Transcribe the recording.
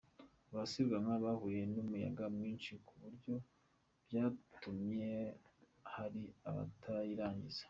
Abasiganwa bahuye n’umuyaga mwinshi ku buryo byatumye hari abatarirangiza.